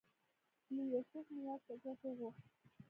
له یوسف مې یو سګرټ وغوښت.